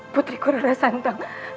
putri kurara santang